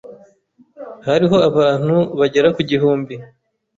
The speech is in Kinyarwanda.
Hariho abantu bagera ku gihumbi.